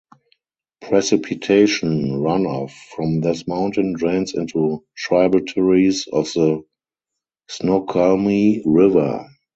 Precipitation runoff from this mountain drains into tributaries of the Snoqualmie River.